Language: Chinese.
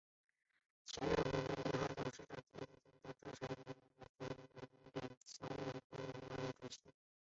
曾任恒生银行副董事长兼行政总裁及汇丰银行总经理兼工商业务环球联席主管。